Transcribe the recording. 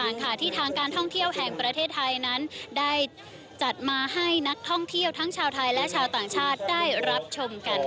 ในการแปลงทธิวภาพเทพและเวทีไทยท่านได้จัดมาให้นักท่องเที่ยวทั้งชาวเทพและชาวต่างชาติได้รับชมกันค่ะ